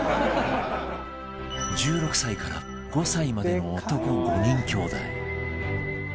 １６歳から５歳までの男５人兄弟